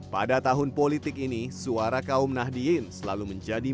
pada tahun politik ini suara kaum nahdien selalu menjadi